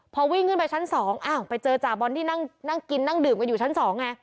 พอวิ่งขึ้นไปชั้น๒อ้าวไปเจอจ่าบอลที่นั่งกินนั่งดื่มกันอยู่ชั้น๒ไง